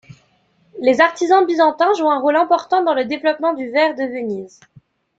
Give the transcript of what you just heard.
Les artisans byzantins jouent un rôle important dans le développement du verre de Venise.